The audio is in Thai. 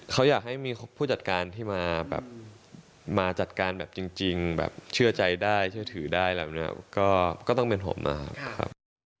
เขาอยากให้มีผู้จัดการที่มาแบบมาจัดการแบบจริงแบบเชื่อใจได้เชื่อถือได้อะไรแบบนี้ก็ต้องเป็นผมนะครับ